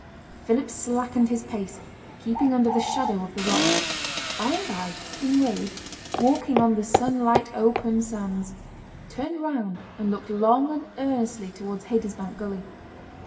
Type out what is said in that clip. Philip slackened his pace, keeping under the shadow of the rock. By and by Kinraid, walking on the sunlight open sands, turned round and looked long and earnestly towards Haytersbank gully.